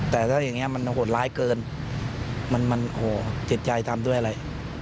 แต่ถ้าอย่างนี้มันโหดร้ายเกินมันโหจิตใจทำด้วยอะไร